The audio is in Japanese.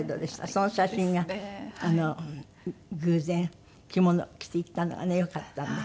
その写真が偶然着物着て行ったのがねよかったんで。